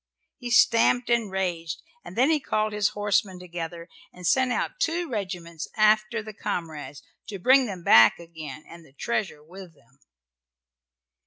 He stamped and raged, and then he called his horsemen together, and sent out two regiments after the comrades to bring them back again and the treasure with them.